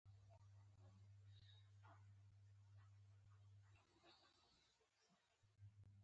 په مقابل کې برټانیې داسې دوه اړخیز مسولیت نه درلود.